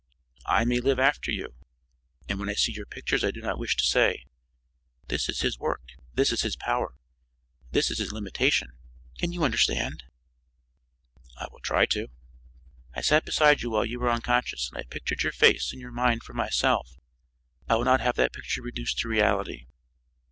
"I may live after you, and when I see your pictures I do not wish to say: 'This is his work; this is his power; this is his limitation.' Can you understand?" "I will try to." "I sat beside you while you were unconscious, and I pictured your face and your mind for myself. I will not have that picture reduced to reality."